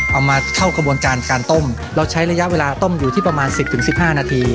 มาเข้ากระบวนการการต้มเราใช้ระยะเวลาต้มอยู่ที่ประมาณสิบถึงสิบห้านาที